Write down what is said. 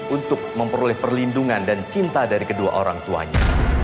untuk memperoleh perlindungan dan cinta dari kedua orang tuanya